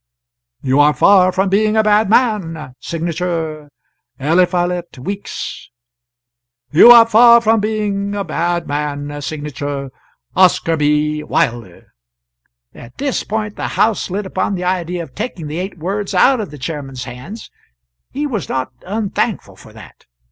'" '"You are far from being a bad man ' Signature, 'Eliphalet Weeks.'" "'You are far from being a bad man ' Signature, 'Oscar B. Wilder.'" At this point the house lit upon the idea of taking the eight words out of the Chairman's hands. He was not unthankful for that.